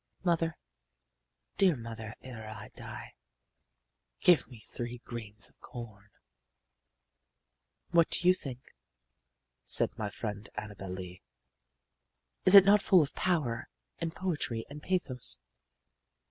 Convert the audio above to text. Mother, dear mother, ere I die, Give me three grains of corn!' "What do you think," said my friend Annabel Lee, "is it not full of power and poetry and pathos?"